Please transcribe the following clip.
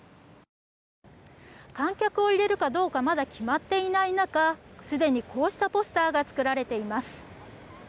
観客を入れるかどうかまだ決まっていない中すでに、こうしたポスターが作られています。